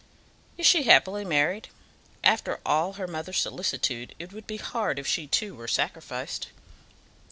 "Is she happily married? After all her mother's solicitude, it would be hard if she too were sacrificed."